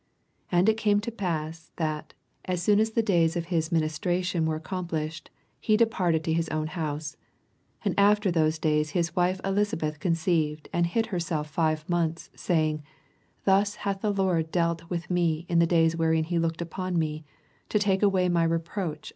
23 And it came to pass, that, as soon as the days of his ministration were accomplished, he departed to his own house. 24 And after those days his wife Elisabeth conceived, and nid herself five months, saying, 26 Thus hath the Lord dealt with me in the days wherein he looked on fM, to take away my reproaoh among men.